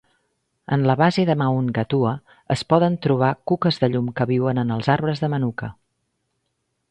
En la base de Maungatua es poden trobar cuques de llum que viuen en els arbres de manuka.